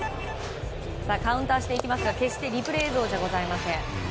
カウンタ−していきますが決してリプレー映像じゃございません。